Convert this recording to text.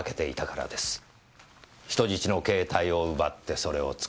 人質の携帯を奪ってそれを使う。